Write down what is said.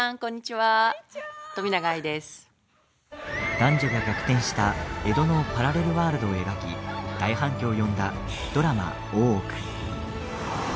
男女が逆転した江戸のパラレルワールドを描き大反響を呼んだドラマ「大奥」。